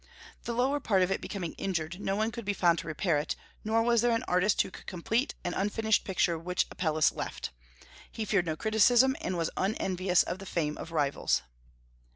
The lower part of it becoming injured, no one could be found to repair it; nor was there an artist who could complete an unfinished picture which Apelles left. He feared no criticism, and was unenvious of the fame of rivals.